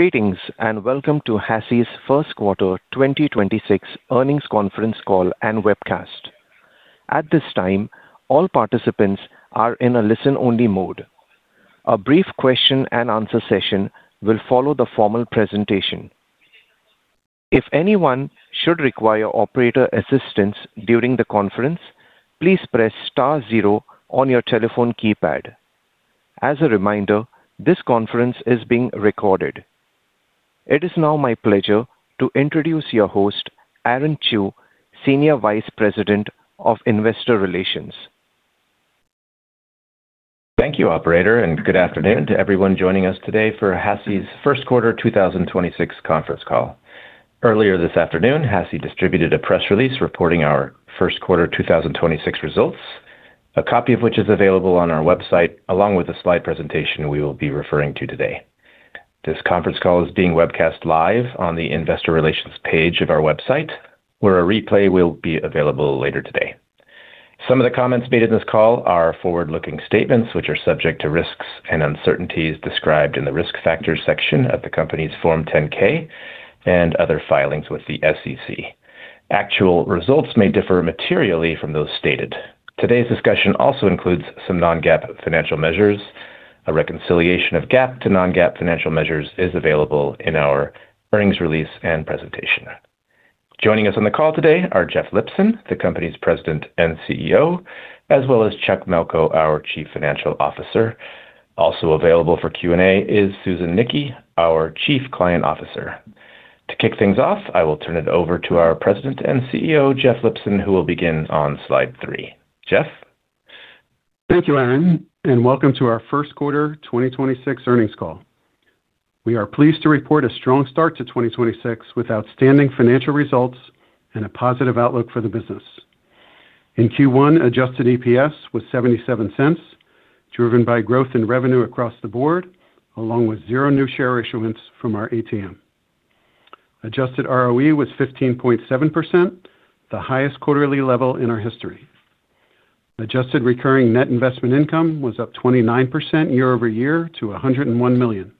Greetings, welcome to HASI's first quarter 2026 earnings conference call and webcast. At this time, all participants are in a listen-only mode. A brief question and answer session will follow the formal presentation. If anyone should require operator assistance during the conference, please press star zero on your telephone keypad. As a reminder, this conference is being recorded. It is now my pleasure to introduce your host, Aaron Chew, Senior Vice President of Investor Relations. Thank you, operator, and good afternoon to everyone joining us today for HASI's first quarter 2026 conference call. Earlier this afternoon, HASI distributed a press release reporting our first quarter 2026 results, a copy of which is available on our website, along with the slide presentation we will be referring to today. This conference call is being webcast live on the investor relations page of our website, where a replay will be available later today. Some of the comments made in this call are forward-looking statements, which are subject to risks and uncertainties described in the Risk Factors section of the company's Form 10-K and other filings with the SEC. Actual results may differ materially from those stated. Today's discussion also includes some non-GAAP financial measures. A reconciliation of GAAP to non-GAAP financial measures is available in our earnings release and presentation. Joining us on the call today are Jeff Lipson, the company's President and CEO, as well as Chuck Melko, our Chief Financial Officer. Also available for Q&A is Susan Nickey, our Chief Client Officer. To kick things off, I will turn it over to our President and CEO, Jeff Lipson, who will begin on slide 3. Jeff? Thank you, Aaron, and welcome to our first quarter 2026 earnings call. We are pleased to report a strong start to 2026 with outstanding financial results and a positive outlook for the business. In Q1, adjusted EPS was $0.77, driven by growth in revenue across the board, along with zero new share issuances from our ATM. Adjusted ROE was 15.7%, the highest quarterly level in our history. Adjusted recurring net investment income was up 29% year-over-year to $101 million,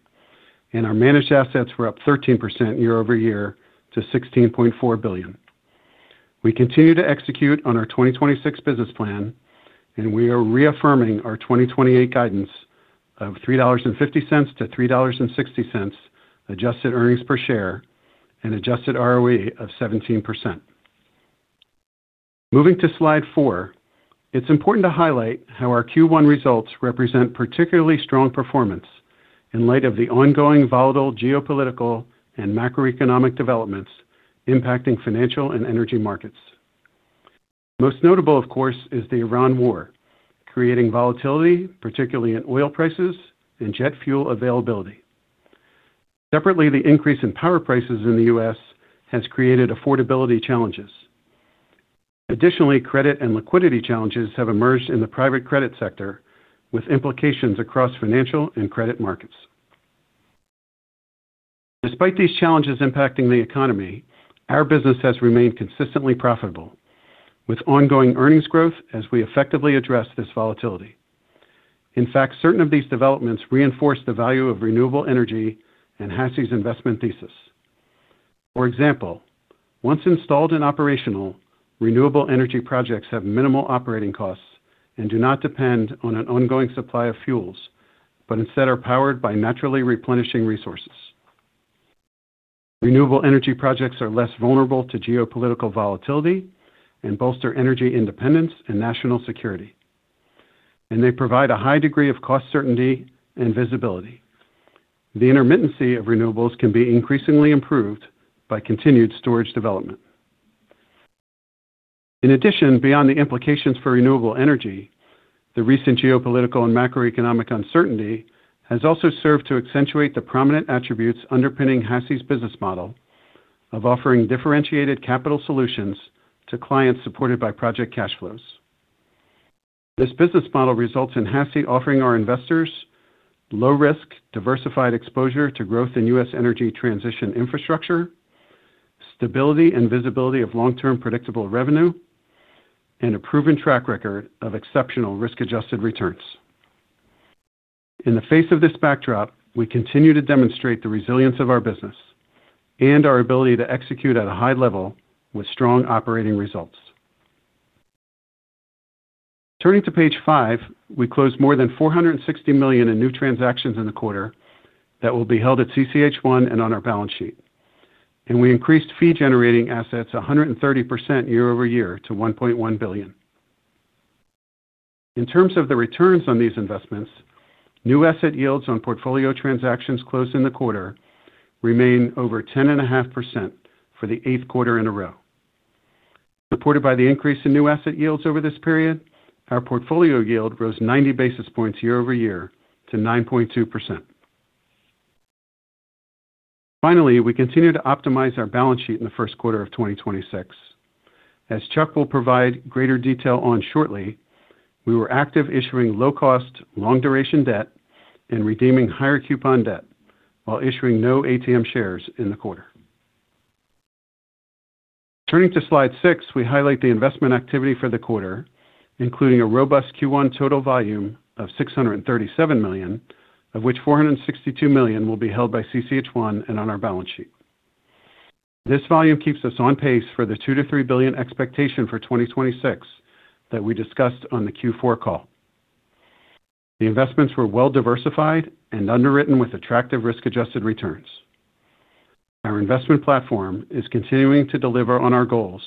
and our managed assets were up 13% year-over-year to $16.4 billion. We continue to execute on our 2026 business plan, and we are reaffirming our 2028 guidance of $3.50-$3.60 adjusted earnings per share and adjusted ROE of 17%. Moving to slide four, it's important to highlight how our Q1 results represent particularly strong performance in light of the ongoing volatile geopolitical and macroeconomic developments impacting financial and energy markets. Most notable, of course, is the Iran war, creating volatility, particularly in oil prices and jet fuel availability. Separately, the increase in power prices in the U.S. has created affordability challenges. Additionally, credit and liquidity challenges have emerged in the private credit sector with implications across financial and credit markets. Despite these challenges impacting the economy, our business has remained consistently profitable with ongoing earnings growth as we effectively address this volatility. In fact, certain of these developments reinforce the value of renewable energy and HASI's investment thesis. For example, once installed and operational, renewable energy projects have minimal operating costs and do not depend on an ongoing supply of fuels, but instead are powered by naturally replenishing resources. Renewable energy projects are less vulnerable to geopolitical volatility and bolster energy independence and national security, and they provide a high degree of cost certainty and visibility. The intermittency of renewables can be increasingly improved by continued storage development. In addition, beyond the implications for renewable energy, the recent geopolitical and macroeconomic uncertainty has also served to accentuate the prominent attributes underpinning HASI's business model of offering differentiated capital solutions to clients supported by project cash flows. This business model results in HASI offering our investors low risk, diversified exposure to growth in U.S. energy transition infrastructure, stability and visibility of long-term predictable revenue, and a proven track record of exceptional risk-adjusted returns. In the face of this backdrop, we continue to demonstrate the resilience of our business and our ability to execute at a high level with strong operating results. Turning to page five, we closed more than $460 million in new transactions in the quarter that will be held at CCH1 and on our balance sheet. We increased fee-generating assets 130% year-over-year to $1.1 billion. In terms of the returns on these investments, new asset yields on portfolio transactions closed in the quarter remain over 10.5% for the 8th quarter in a row. Supported by the increase in new asset yields over this period, our portfolio yield rose 90 basis points year-over-year to 9.2%. Finally, we continue to optimize our balance sheet in the first quarter of 2026. As Chuck will provide greater detail on shortly, we were active issuing low-cost, long-duration debt and redeeming higher coupon debt while issuing no ATM shares in the quarter. Turning to slide 6, we highlight the investment activity for the quarter, including a robust Q1 total volume of $637 million, of which $462 million will be held by CCH1 and on our balance sheet. This volume keeps us on pace for the $2 billion-$3 billion expectation for 2026 that we discussed on the Q4 call. The investments were well diversified and underwritten with attractive risk-adjusted returns. Our investment platform is continuing to deliver on our goals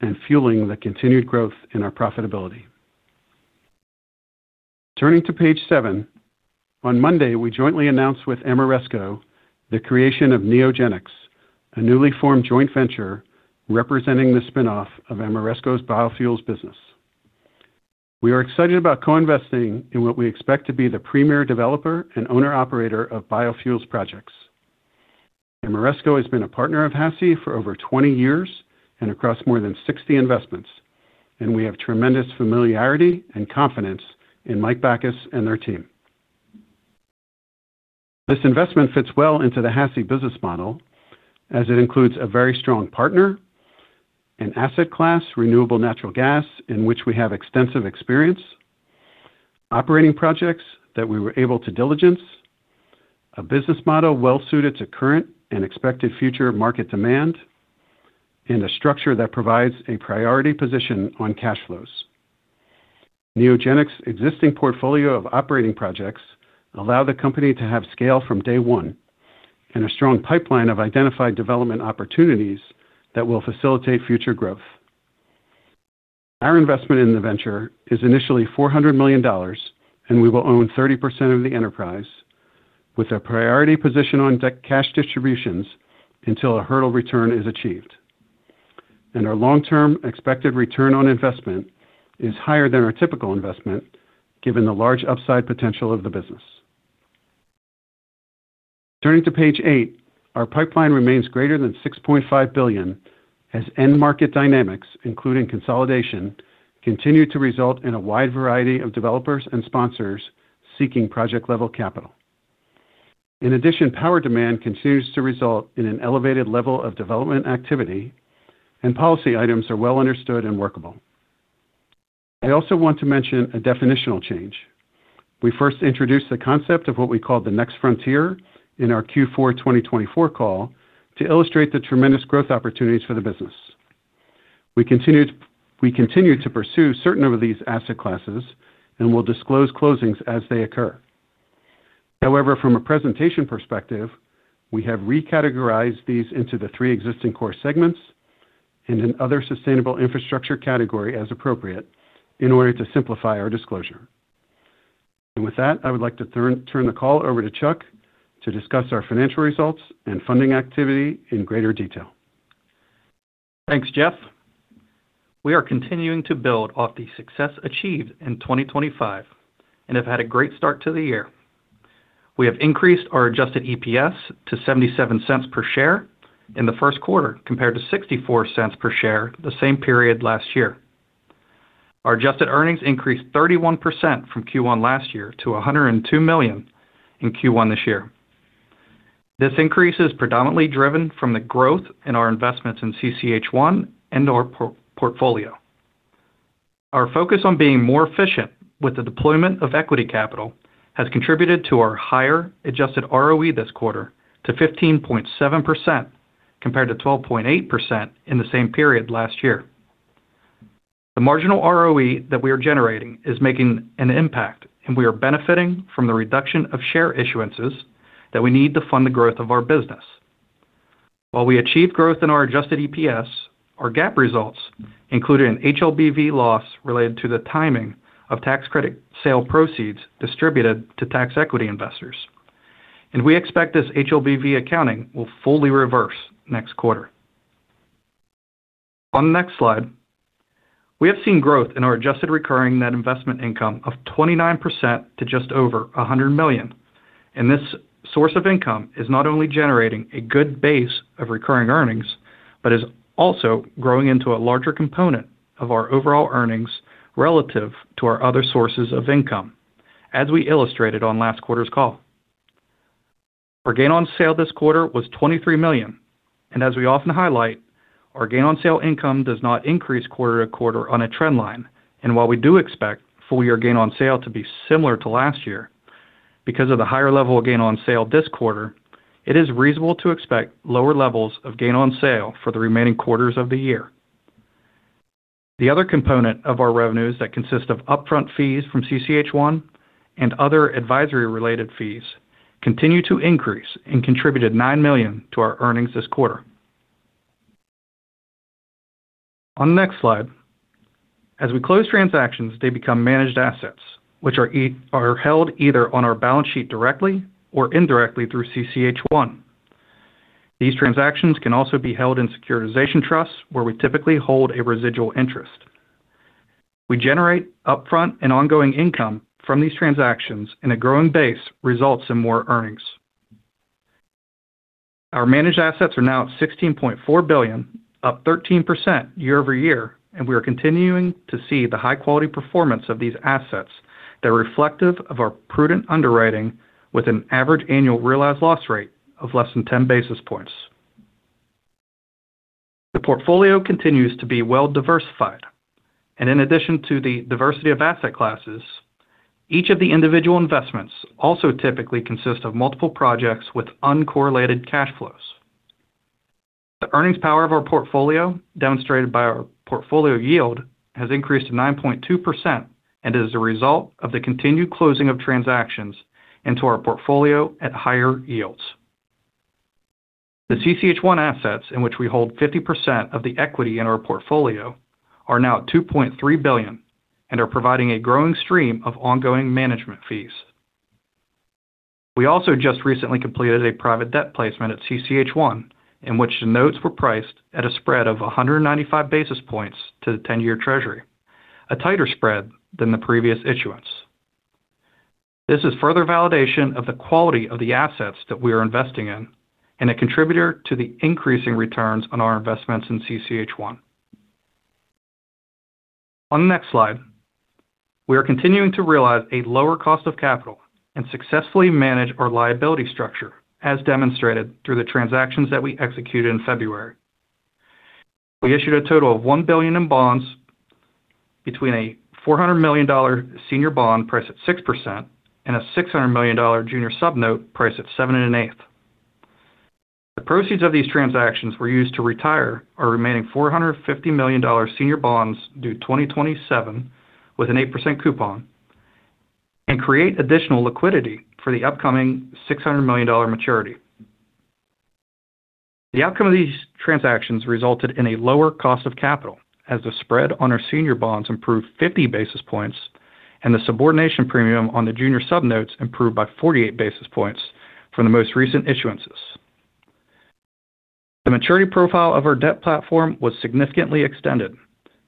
and fueling the continued growth in our profitability. Turning to page 7. On Monday, we jointly announced with Ameresco the creation of Neogenyx, a newly formed joint venture representing the spin-off of Ameresco's biofuels business. We are excited about co-investing in what we expect to be the premier developer and owner/operator of biofuels projects. Ameresco has been a partner of HASI for over 20 years and across more than 60 investments, and we have tremendous familiarity and confidence in Mike Bakas and their team. This investment fits well into the HASI business model as it includes a very strong partner, an asset class, renewable natural gas, in which we have extensive experience, operating projects that we were able to diligence, a business model well suited to current and expected future market demand, and a structure that provides a priority position on cash flows. Neogenyx's existing portfolio of operating projects allow the company to have scale from day one and a strong pipeline of identified development opportunities that will facilitate future growth. Our investment in the venture is initially $400 million. We will own 30% of the enterprise with a priority position on debt cash distributions until a hurdle return is achieved. Our long-term expected return on investment is higher than our typical investment, given the large upside potential of the business. Turning to page 8, our pipeline remains greater than $6.5 billion as end market dynamics, including consolidation, continue to result in a wide variety of developers and sponsors seeking project-level capital. In addition, power demand continues to result in an elevated level of development activity. Policy items are well understood and workable. I also want to mention a definitional change. We first introduced the concept of what we call the next frontier in our Q4 2024 call to illustrate the tremendous growth opportunities for the business. We continue to pursue certain of these asset classes and will disclose closings as they occur. However, from a presentation perspective, we have recategorized these into the three existing core segments and an other sustainable infrastructure category as appropriate in order to simplify our disclosure. With that, I would like to turn the call over to Chuck to discuss our financial results and funding activity in greater detail. Thanks, Jeff. We are continuing to build off the success achieved in 2025 and have had a great start to the year. We have increased our adjusted EPS to $0.77 per share in the first quarter, compared to $0.64 per share the same period last year. Our adjusted earnings increased 31% from Q1 last year to $102 million in Q1 this year. This increase is predominantly driven from the growth in our investments in CCH1 and our portfolio. Our focus on being more efficient with the deployment of equity capital has contributed to our higher adjusted ROE this quarter to 15.7% compared to 12.8% in the same period last year. The marginal ROE that we are generating is making an impact, and we are benefiting from the reduction of share issuances that we need to fund the growth of our business. While we achieved growth in our adjusted EPS, our GAAP results included an HLBV loss related to the timing of tax credit sale proceeds distributed to tax equity investors, and we expect this HLBV accounting will fully reverse next quarter. On the next slide. We have seen growth in our adjusted recurring net investment income of 29% to just over $100 million. This source of income is not only generating a good base of recurring earnings but is also growing into a larger component of our overall earnings relative to our other sources of income, as we illustrated on last quarter's call. Our gain on sale this quarter was $23 million. As we often highlight, our gain on sale income does not increase quarter-to-quarter on a trend line. While we do expect full year gain on sale to be similar to last year because of the higher level of gain on sale this quarter, it is reasonable to expect lower levels of gain on sale for the remaining quarters of the year. The other component of our revenues that consist of upfront fees from CCH1 and other advisory-related fees continue to increase and contributed $9 million to our earnings this quarter. On the next slide. As we close transactions, they become managed assets, which are held either on our balance sheet directly or indirectly through CCH1. These transactions can also be held in securitization trusts, where we typically hold a residual interest. We generate upfront and ongoing income from these transactions, a growing base results in more earnings. Our managed assets are now at $16.4 billion, up 13% year-over-year. We are continuing to see the high-quality performance of these assets. They're reflective of our prudent underwriting with an average annual realized loss rate of less than 10 basis points. The portfolio continues to be well-diversified. In addition to the diversity of asset classes, each of the individual investments also typically consist of multiple projects with uncorrelated cash flows. The earnings power of our portfolio, demonstrated by our portfolio yield, has increased to 9.2% and is a result of the continued closing of transactions into our portfolio at higher yields. The CCH1 assets in which we hold 50% of the equity in our portfolio are now at $2.3 billion and are providing a growing stream of ongoing management fees. We also just recently completed a private debt placement at CCH1, in which the notes were priced at a spread of 195 basis points to the 10-year Treasury, a tighter spread than the previous issuance. This is further validation of the quality of the assets that we are investing in and a contributor to the increasing returns on our investments in CCH1. On the next slide, we are continuing to realize a lower cost of capital and successfully manage our liability structure, as demonstrated through the transactions that we executed in February. We issued a total of $1 billion in bonds between a $400 million senior bond priced at 6% and a $600 million junior subordinated notes priced at 7.8%. The proceeds of these transactions were used to retire our remaining $450 million senior bonds due 2027 with an 8% coupon and create additional liquidity for the upcoming $600 million maturity. The outcome of these transactions resulted in a lower cost of capital as the spread on our senior bonds improved 50 basis points and the subordination premium on the junior subordinated notes improved by 48 basis points from the most recent issuances. The maturity profile of our debt platform was significantly extended,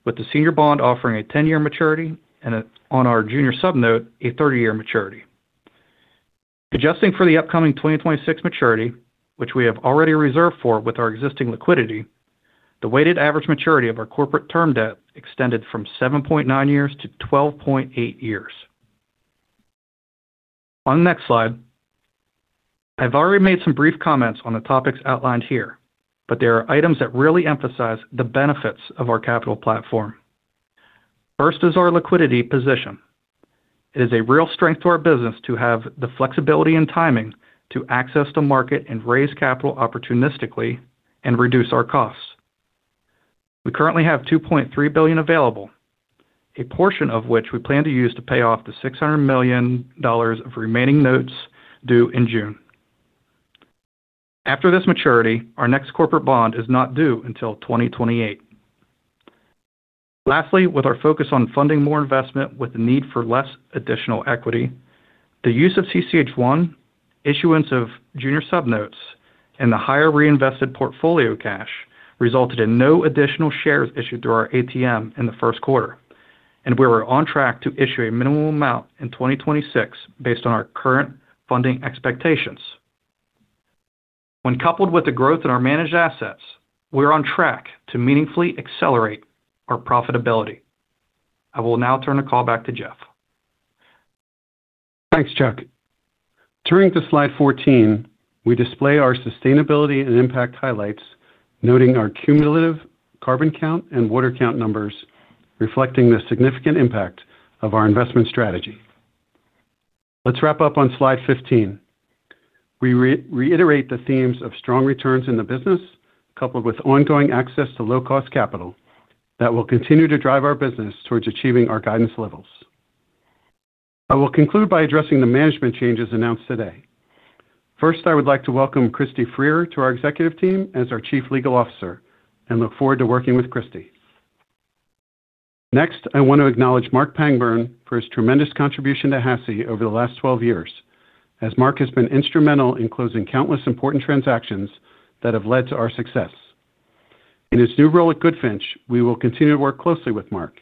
with the senior bond offering a 10-year maturity, on our junior subordinated notes, a 30-year maturity. Adjusting for the upcoming 2026 maturity, which we have already reserved for with our existing liquidity, the weighted average maturity of our corporate term debt extended from 7.9 years to 12.8 years. On the next slide, I've already made some brief comments on the topics outlined here, but there are items that really emphasize the benefits of our capital platform. First is our liquidity position. It is a real strength to our business to have the flexibility and timing to access the market and raise capital opportunistically and reduce our costs. We currently have $2.3 billion available, a portion of which we plan to use to pay off the $600 million of remaining notes due in June. After this maturity, our next corporate bond is not due until 2028. Lastly, with our focus on funding more investment with the need for less additional equity, the use of CCH1, issuance of junior sub-notes, and the higher reinvested portfolio cash resulted in no additional shares issued through our ATM in the first quarter, and we were on track to issue a minimal amount in 2026 based on our current funding expectations. When coupled with the growth in our managed assets, we're on track to meaningfully accelerate our profitability. I will now turn the call back to Jeff. Thanks, Chuck. Turning to slide 14, we display our sustainability and impact highlights, noting our cumulative CarbonCount and WaterCount numbers, reflecting the significant impact of our investment strategy. Let's wrap up on slide 15. We reiterate the themes of strong returns in the business, coupled with ongoing access to low-cost capital that will continue to drive our business towards achieving our guidance levels. I will conclude by addressing the management changes announced today. First, I would like to welcome Christy Freer to our executive team as our Chief Legal Officer and look forward to working with Christy. Next, I want to acknowledge Marc Pangburn for his tremendous contribution to HASI over the last 12 years, as Marc has been instrumental in closing countless important transactions that have led to our success. In his new role at GoodFinch, we will continue to work closely with Marc,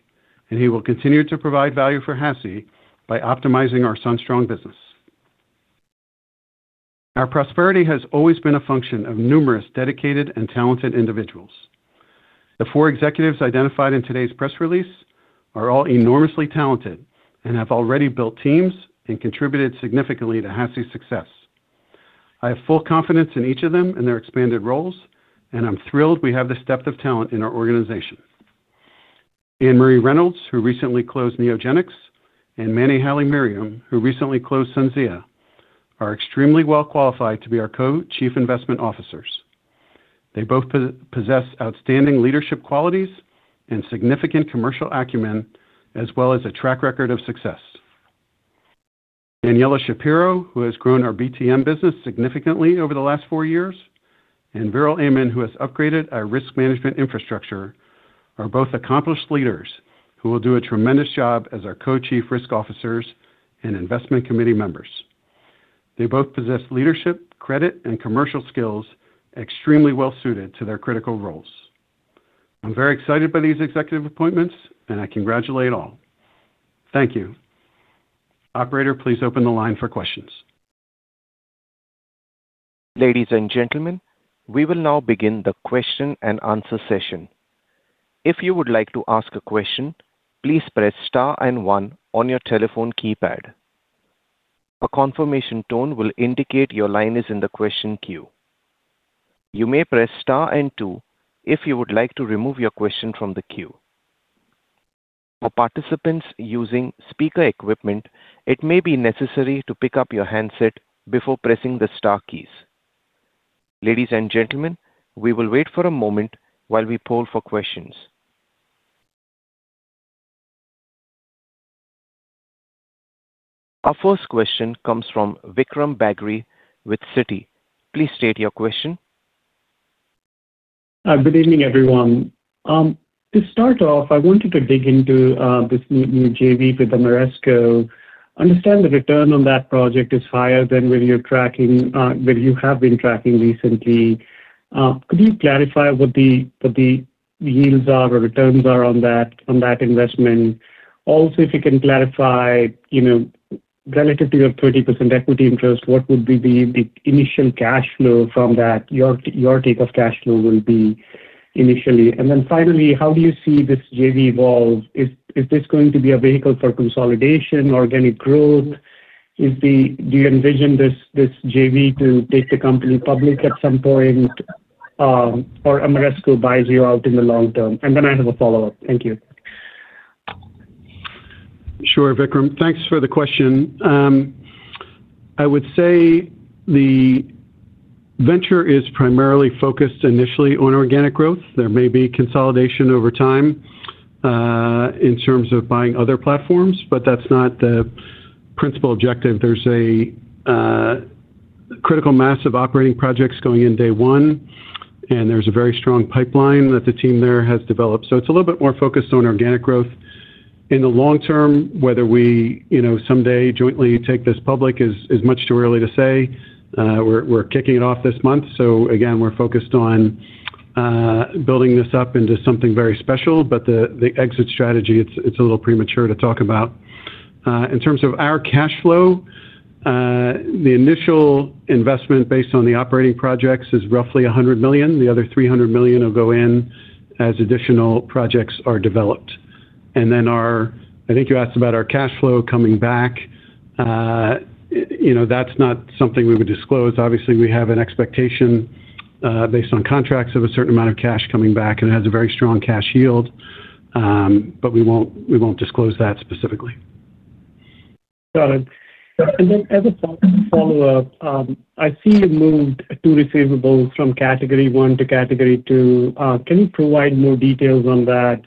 and he will continue to provide value for HASI by optimizing our SunStrong business. Our prosperity has always been a function of numerous dedicated and talented individuals. The four executives identified in today's press release are all enormously talented and have already built teams and contributed significantly to HASI's success. I have full confidence in each of them in their expanded roles, and I'm thrilled we have this depth of talent in our organization. AnnMarie Reynolds, who recently closed Neogenyx, and Manny Haile-Mariam, who recently closed Sensia, are extremely well qualified to be our co-chief investment officers. They both possess outstanding leadership qualities and significant commercial acumen, as well as a track record of success. Daniela Shapiro, who has grown our BTM business significantly over the last four years, and Viral Amin, who has upgraded our risk management infrastructure, are both accomplished leaders who will do a tremendous job as our Co-Chief Risk Officers and Investment Committee members. They both possess leadership, credit, and commercial skills extremely well-suited to their critical roles. I'm very excited by these executive appointments, and I congratulate all. Thank you. Operator, please open the line for questions. Our first question comes from Vikram Bagri with Citi. Please state your question. Good evening, everyone. To start off, I wanted to dig into this new JV with Ameresco. Understand the return on that project is higher than where you have been tracking recently. Could you clarify what the yields are or returns are on that investment? Also, if you can clarify, you know, relative to your 30% equity interest, what would be the initial cash flow from that, your take of cash flow will be initially. Finally, how do you see this JV evolve? Is this going to be a vehicle for consolidation, organic growth? Do you envision this JV to take the company public at some point, or Ameresco buys you out in the long term? I have a follow-up. Thank you. Sure, Vikram. Thanks for the question. I would say the venture is primarily focused initially on organic growth. There may be consolidation over time in terms of buying other platforms. That's not the principal objective. There's a critical mass of operating projects going in day one. There's a very strong pipeline that the team there has developed. It's a little bit more focused on organic growth. In the long term, whether we, you know, someday jointly take this public is much too early to say. We're kicking it off this month. Again, we're focused on building this up into something very special. The exit strategy, it's a little premature to talk about. In terms of our cash flow, the initial investment based on the operating projects is roughly $100 million. The other $300 million will go in as additional projects are developed. I think you asked about our cash flow coming back. You know, that's not something we would disclose. Obviously, we have an expectation, based on contracts of a certain amount of cash coming back, and it has a very strong cash yield, but we won't disclose that specifically. Got it. As a follow-up, I see you moved 2 receivables from Category 1 to Category 2. Can you provide more details on that?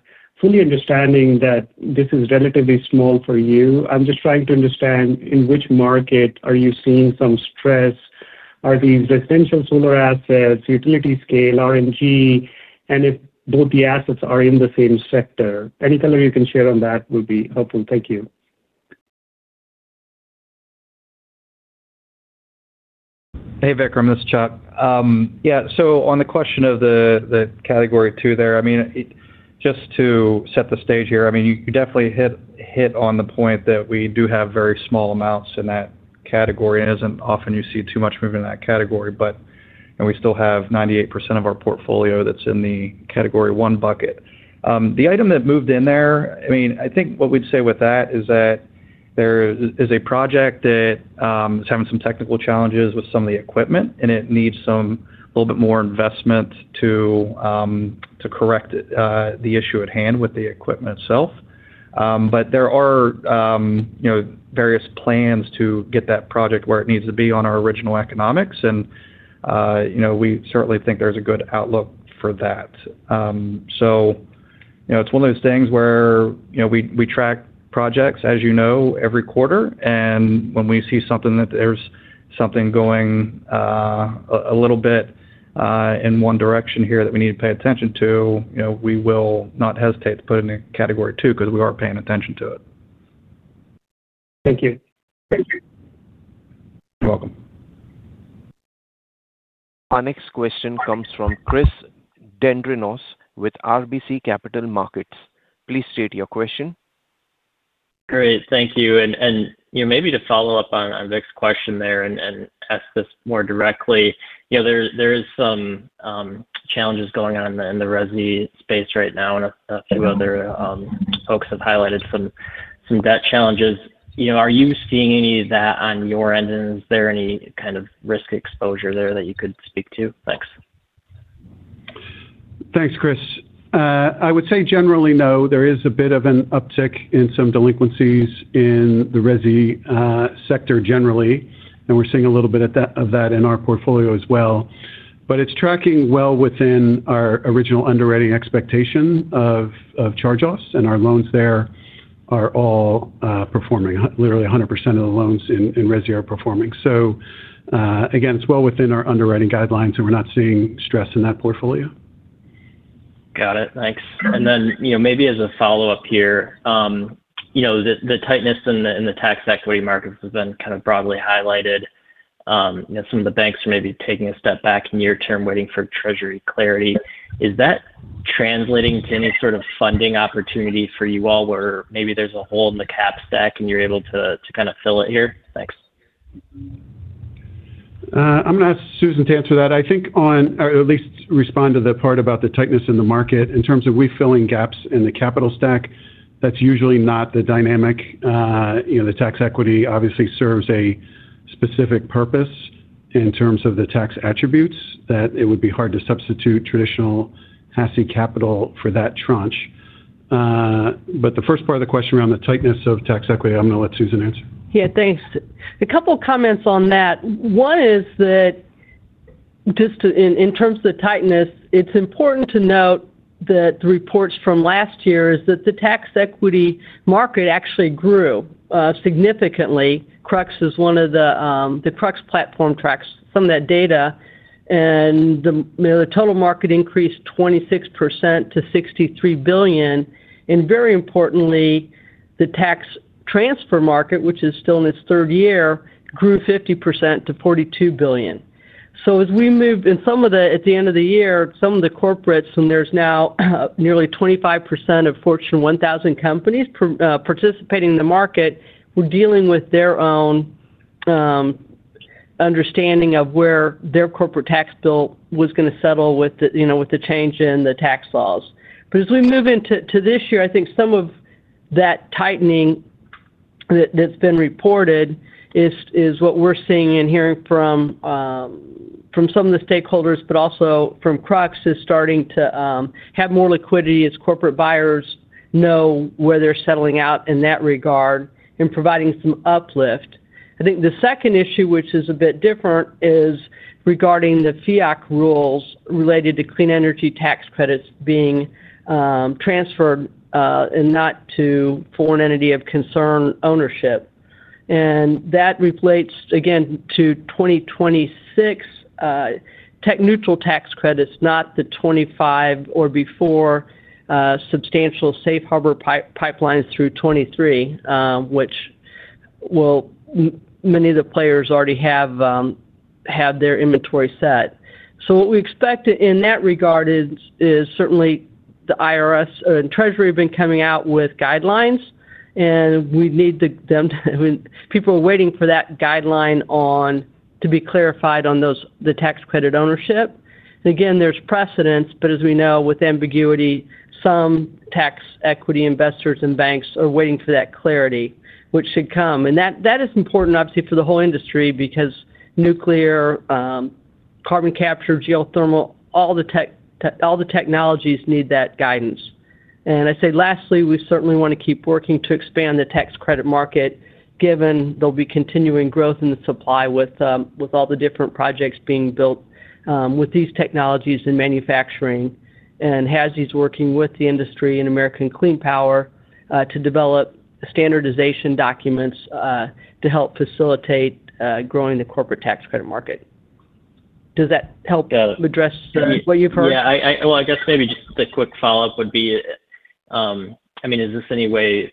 Fully understanding that this is relatively small for you. I'm just trying to understand in which market are you seeing some stress. Are these essential solar assets, utility scale, RNG? If both the assets are in the same sector. Any color you can share on that would be helpful. Thank you. Hey, Vikram, this is Chuck. Yeah. On the question of the Category 2 there, I mean, just to set the stage here. I mean, you definitely hit on the point that we do have very small amounts in that category. It isn't often you see too much movement in that category. We still have 98% of our portfolio that's in the Category 1 bucket. The item that moved in there, I mean, I think what we'd say with that is that there is a project that is having some technical challenges with some of the equipment, and it needs some a little bit more investment to correct the issue at hand with the equipment itself. There are, you know, various plans to get that project where it needs to be on our original economics and, you know, we certainly think there's a good outlook for that. You know, it's one of those things where, you know, we track projects, as you know, every quarter. When we see something that there's something going a little bit in one direction here that we need to pay attention to, you know, we will not hesitate to put it in a Category 2 because we are paying attention to it. Thank you. Thank you. You're welcome. Our next question comes from Chris Dendrinos with RBC Capital Markets. Please state your question. Great. Thank you. You know, maybe to follow up on Vik's question there and ask this more directly. You know, there is some challenges going on in the resi space right now. A few other folks have highlighted some of that challenges. You know, are you seeing any of that on your end? Is there any kind of risk exposure there that you could speak to? Thanks. Thanks, Chris. I would say generally, no. There is a bit of an uptick in some delinquencies in the resi sector generally, and we're seeing a little bit of that in our portfolio as well. It's tracking well within our original underwriting expectation of charge-offs. Our loans there are all performing. Literally 100% of the loans in resi are performing. Again, it's well within our underwriting guidelines, and we're not seeing stress in that portfolio. Got it. Thanks. You know, maybe as a follow-up here. You know, the tightness in the tax equity markets has been kind of broadly highlighted. You know, some of the banks are maybe taking a step back near-term waiting for Treasury clarity. Translating to any sort of funding opportunity for you all where maybe there's a hole in the cap stack and you're able to kind of fill it here? Thanks. I'm gonna ask Susan to answer that. At least respond to the part about the tightness in the market. In terms of we filling gaps in the capital stack, that's usually not the dynamic. You know, the tax equity obviously serves a specific purpose in terms of the tax attributes that it would be hard to substitute traditional HASI capital for that tranche. The first part of the question around the tightness of tax equity, I'm gonna let Susan answer. Yeah, thanks. A couple comments on that. One is that just in terms of the tightness, it's important to note that the reports from last year is that the tax equity market actually grew significantly. Crux is one of the Crux platform tracks some of that data. The, you know, the total market increased 26% to $63 billion, and very importantly, the tax transfer market, which is still in its third year, grew 50% to $42 billion. As we move at the end of the year, some of the corporates, and there's now nearly 25% of Fortune 1000 companies participating in the market, were dealing with their own understanding of where their corporate tax bill was gonna settle with the, you know, with the change in the tax laws. As we move into this year, I think some of that tightening that's been reported is what we're seeing and hearing from some of the stakeholders, but also from Crux is starting to have more liquidity as corporate buyers know where they're settling out in that regard and providing some uplift. I think the second issue, which is a bit different, is regarding the FEOC rules related to clean energy tax credits being transferred and not to foreign entity of concern ownership. That relates again to 2026 tech neutral tax credits, not the 2025 or before, substantial safe harbor pipelines through 2023, which many of the players already have their inventory set. What we expect in that regard is certainly the IRS and Treasury have been coming out with guidelines, and we need them to People are waiting for that guideline on to be clarified on those, the tax credit ownership. again, there's precedents, but as we know, with ambiguity, some tax equity investors and banks are waiting for that clarity, which should come. that is important obviously for the whole industry because nuclear, carbon capture, geothermal, all the technologies need that guidance. I say, lastly, we certainly wanna keep working to expand the tax credit market, given there'll be continuing growth in the supply with all the different projects being built, with these technologies in manufacturing. HASI's working with the industry and American Clean Power to develop standardization documents to help facilitate growing the corporate tax credit market. Does that help- Yeah address what you've heard? Yeah. Well, I guess maybe just the quick follow-up would be, I mean, does this any way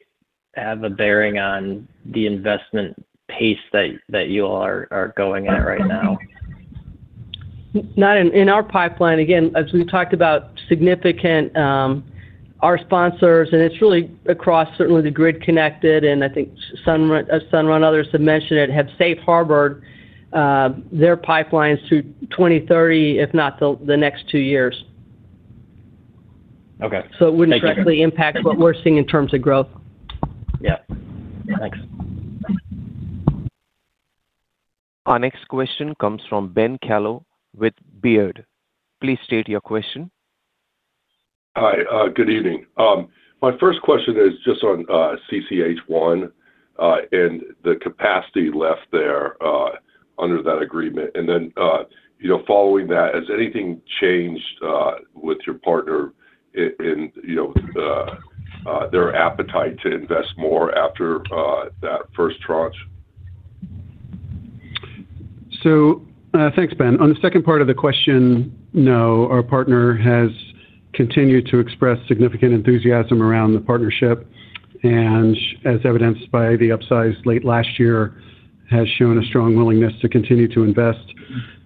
have a bearing on the investment pace that you all are going at right now? Not in our pipeline. As we talked about significant, our sponsors, and it's really across certainly the grid connected, and I think Sunrun and others have mentioned it, have safe harbored their pipelines to 2030, if not the next 2 years. Okay. Thank you. It wouldn't directly impact what we're seeing in terms of growth. Yeah. Thanks. Our next question comes from Ben Kallo with Baird. Please state your question. Hi. Good evening. My first question is just on CCH1, and the capacity left there, under that agreement. You know, following that, has anything changed with your partner in, you know, the, their appetite to invest more after that first tranche? Thanks, Ben. On the second part of the question, no. Our partner has continued to express significant enthusiasm around the partnership, and as evidenced by the upsize late last year, has shown a strong willingness to continue to invest.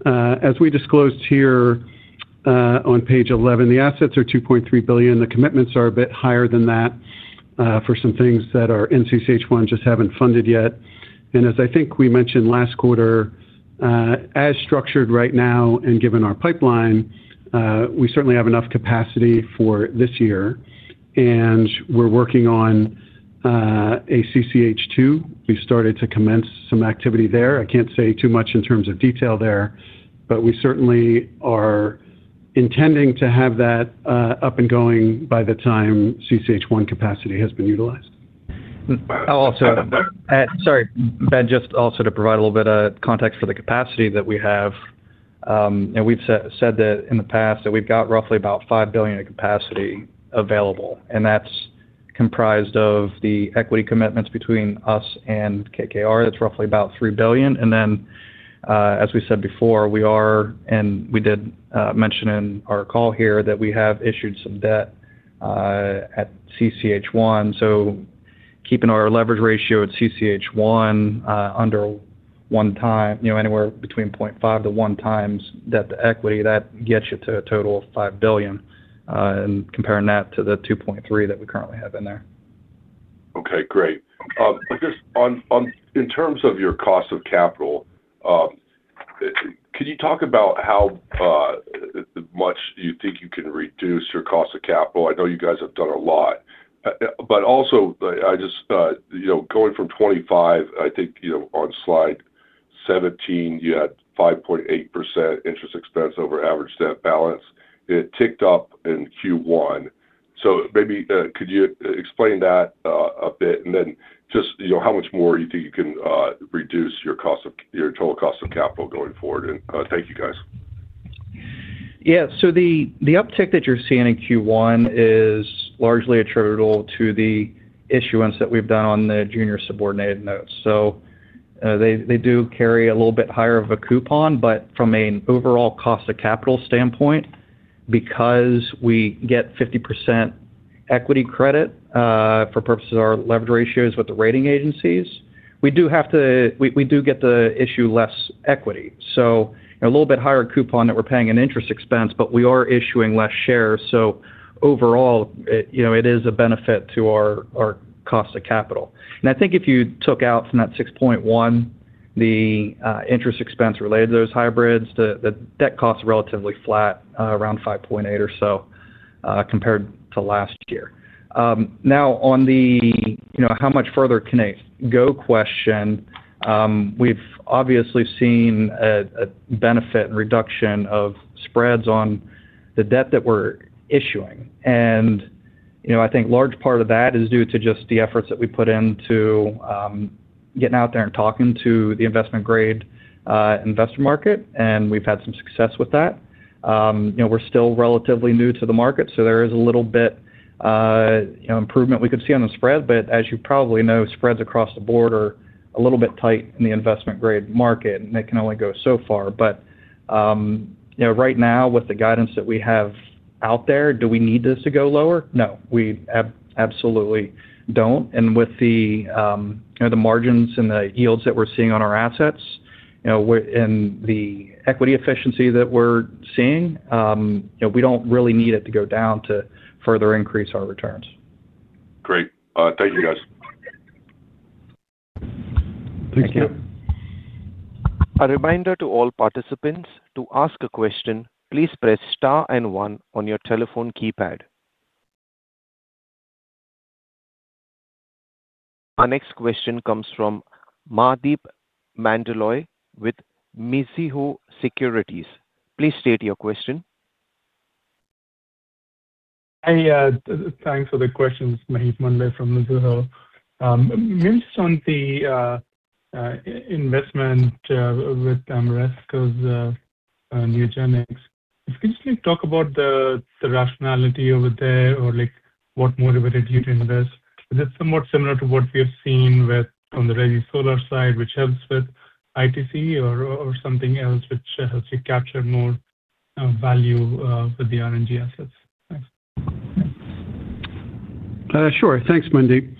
As we disclosed here, on page 11, the assets are $2.3 billion. The commitments are a bit higher than that, for some things that are in CCH1 just haven't funded yet. As I think we mentioned last quarter, as structured right now and given our pipeline, we certainly have enough capacity for this year, and we're working on a CCH2. We've started to commence some activity there. I can't say too much in terms of detail there, but we certainly are intending to have that up and going by the time CCH1 capacity has been utilized. I'll also add, Sorry, Ben, also to provide a little bit of context for the capacity that we have. We've said that in the past, that we've got roughly about $5 billion in capacity available, and that's comprised of the equity commitments between us and KKR. That's roughly about $3 billion. As we said before, we did mention in our call here that we have issued some debt at CCH1. Keeping our leverage ratio at CCH1 under one time, you know, anywhere between 0.5x-1x debt to equity, that gets you to a total of $5 billion, comparing that to the $2.3 billion that we currently have in there. Okay, great. I guess in terms of your cost of capital, can you talk about how much you think you can reduce your cost of capital? I know you guys have done a lot. Also, like, I just, you know, going from 25, I think, you know, on slide 17, you had 5.8% interest expense over average debt balance. It ticked up in Q1. Maybe, could you explain that a bit? Just, you know, how much more you think you can reduce your cost of your total cost of capital going forward? Thank you, guys. The uptick that you're seeing in Q1 is largely attributable to the issuance that we've done on the junior subordinated notes. They do carry a little bit higher of a coupon, but from an overall cost of capital standpoint, because we get 50% equity credit, for purposes of our leverage ratios with the rating agencies, we do get to issue less equity. Overall, it, you know, is a benefit to our cost of capital. I think if you took out from that 6.1 the interest expense related to those hybrids, the debt cost is relatively flat, around 5.8 or so, compared to last year. Now on the, you know, how much further can it go question, we've obviously seen a benefit and reduction of spreads on the debt that we're issuing. You know, I think large part of that is due to just the efforts that we put into getting out there and talking to the investment grade investor market, and we've had some success with that. You know, we're still relatively new to the market, so there is a little bit, you know, improvement we could see on the spread. As you probably know, spreads across the board are a little bit tight in the investment grade market, and they can only go so far. You know, right now, with the guidance that we have out there, do we need this to go lower? No. We absolutely don't. With the, you know, the margins and the yields that we're seeing on our assets, you know, and the equity efficiency that we're seeing, you know, we don't really need it to go down to further increase our returns. Great. Thank you, guys. Thank you. A reminder to all participants, to ask a question, please press star 1 on your telephone keypad. Our next question comes from Maheep Mandloi with Mizuho Securities. Please state your question. Thanks for the questions. Maheep Mandloi from Mizuho. Just on the investment with Ameresco's Neogenyx. Could you please talk about the rationale over there or, like, what motivated you to invest? Is it somewhat similar to what we have seen with on the resi solar side, which helps with ITC or something else which helps you capture more value with the RNG assets? Thanks. Sure. Thanks, Maheep.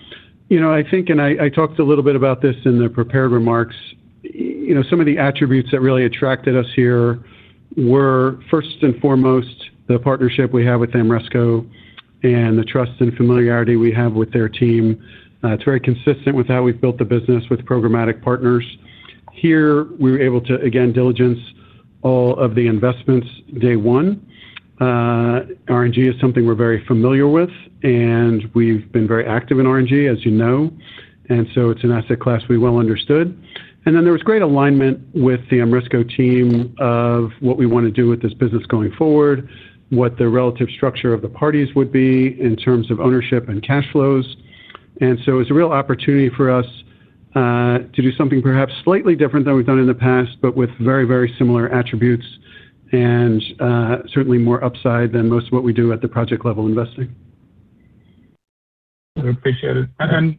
You know, I think, I talked a little bit about this in the prepared remarks. You know, some of the attributes that really attracted us here were, first and foremost, the partnership we have with Ameresco and the trust and familiarity we have with their team. It's very consistent with how we've built the business with programmatic partners. Here, we were able to, again, diligence all of the investments day one. RNG is something we're very familiar with, and we've been very active in RNG, as you know. It's an asset class we well understood. There was great alignment with the Ameresco team of what we want to do with this business going forward, what the relative structure of the parties would be in terms of ownership and cash flows. It's a real opportunity for us, to do something perhaps slightly different than we've done in the past, but with very, very similar attributes and, certainly more upside than most of what we do at the project level investing. I appreciate it. On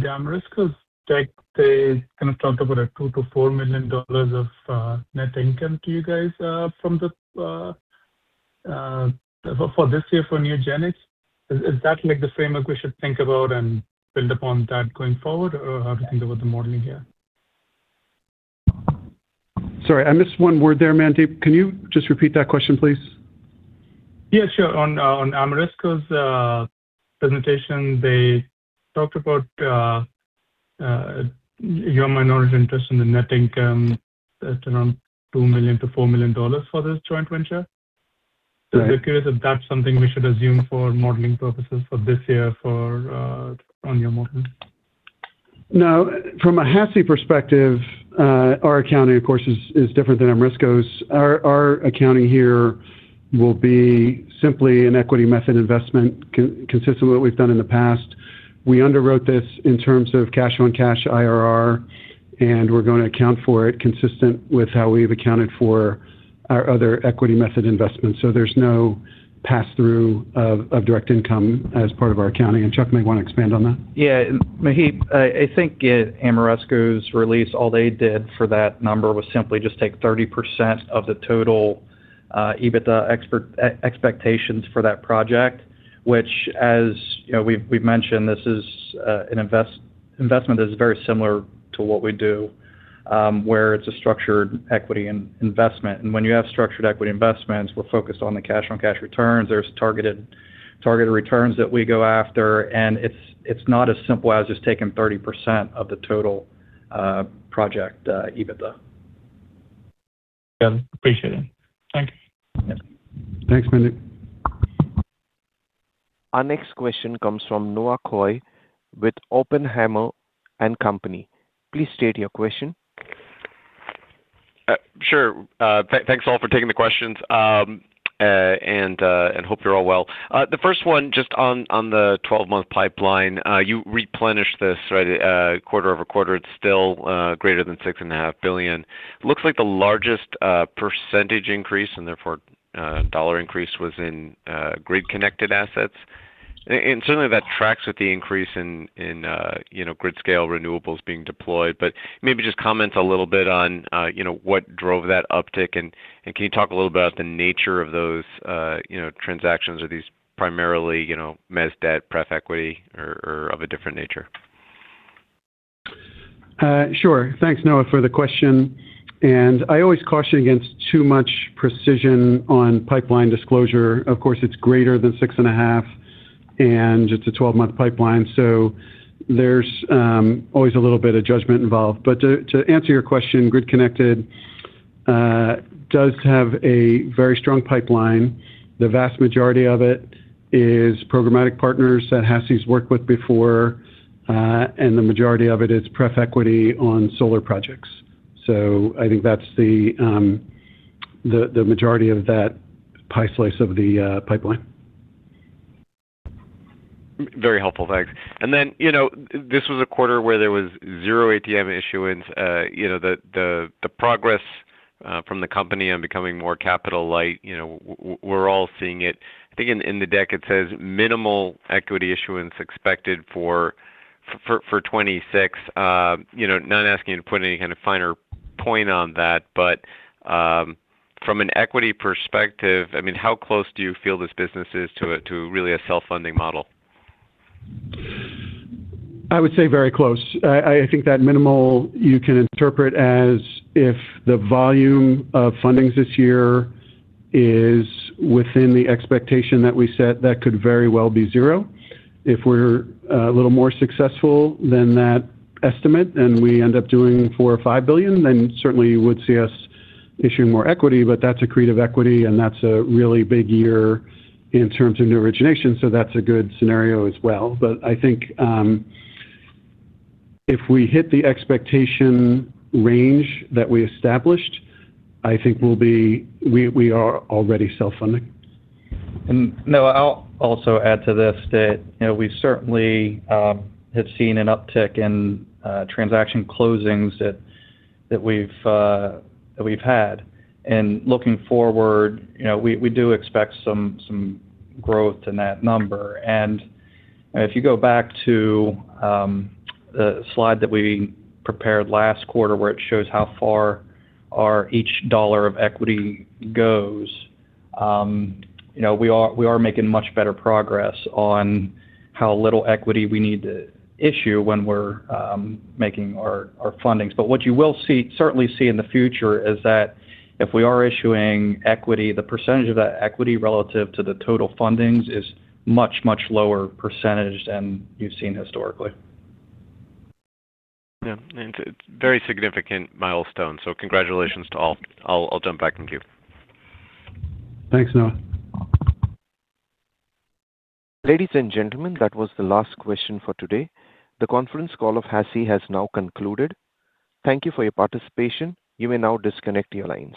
the Ameresco's take, they kind of talked about a $2 million-$4 million of net income to you guys from the for this year for Neogenyx. Is that, like, the framework we should think about and build upon that going forward, or how to think about the modeling here? Sorry, I missed one word there, Maheep. Can you just repeat that question, please? Yeah, sure. On Ameresco's presentation, they talked about your minority interest in the net income at around $2 million-$4 million for this joint venture. Right. Just curious if that's something we should assume for modeling purposes for this year for, on your modeling? From a HASI perspective, our accounting, of course, is different than Ameresco's. Our accounting here will be simply an equity method investment consistent with what we've done in the past. We underwrote this in terms of cash-on-cash IRR, and we're going to account for it consistent with how we've accounted for our other equity method investments. There's no pass-through of direct income as part of our accounting. Chuck may want to expand on that. Yeah. Maheep, I think Ameresco's release, all they did for that number was simply just take 30% of the total EBITDA expectations for that project, which as you know, we've mentioned, this is an investment that is very similar to what we do, where it's a structured equity investment. When you have structured equity investments, we're focused on the cash-on-cash returns. There's targeted returns that we go after, and it's not as simple as just taking 30% of the total project EBITDA. Yeah. Appreciate it. Thank you. Yeah. Thanks, Maheep. Our next question comes from Noah Kaye with Oppenheimer & Co. Please state your question. Sure. Thanks all for taking the questions. Hope you're all well. The first one just on the 12-month pipeline. You replenished this, right? Quarter-over-quarter, it's still greater than $6.5 billion. Looks like the largest percentage increase, and therefore, dollar increase was in grid-connected assets. Certainly that tracks with the increase in, you know, grid scale renewables being deployed. Maybe just comment a little bit on, you know, what drove that uptick. Can you talk a little about the nature of those, you know, transactions? Are these primarily, you know, mezz debt, pref equity or of a different nature? Sure. Thanks, Noah, for the question. I always caution against too much precision on pipeline disclosure. Of course, it's greater than $6.5 billion, and it's a 12-month pipeline, so there's always a little bit of judgment involved. To answer your question, grid-connected does have a very strong pipeline. The vast majority of it is programmatic partners that HASI's worked with before. The majority of it is pref equity on solar projects. I think that's the majority of that pie slice of the pipeline. Very helpful. Thanks. You know, this was a quarter where there was zero ATM issuance. You know, the progress from the company on becoming more capital light, you know, we're all seeing it. I think in the deck it says minimal equity issuance expected for 2026. You know, not asking you to put any kind of finer point on that, but, from an equity perspective, I mean, how close do you feel this business is to really a self-funding model? I would say very close. I think that minimal you can interpret as if the volume of fundings this year is within the expectation that we set, that could very well be zero. If we're a little more successful than that estimate, and we end up doing $4 billion or $5 billion, then certainly you would see us issuing more equity. That's accretive equity, and that's a really big year in terms of new origination, so that's a good scenario as well. I think, if we hit the expectation range that we established, I think we are already self-funding. Noah, I'll also add to this that, we certainly have seen an uptick in transaction closings that we've had. Looking forward, we do expect some growth in that number. If you go back to the slide that we prepared last quarter where it shows how far our each dollar of equity goes, we are making much better progress on how little equity we need to issue when we're making our fundings. What you will certainly see in the future is that if we are issuing equity, the percentage of that equity relative to the total fundings is much lower percentage than you've seen historically. Yeah. It's a very significant milestone, congratulations to all. I'll jump back. Thank you. Thanks, Noah. Ladies and gentlemen, that was the last question for today. The conference call of HASI has now concluded. Thank you for your participation. You may now disconnect your lines.